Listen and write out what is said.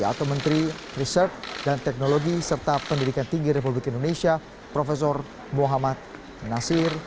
atau menteri riset dan teknologi serta pendidikan tinggi republik indonesia prof muhammad nasir